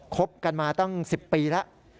คบกันมาตั้ง๑๐ปีแล้ว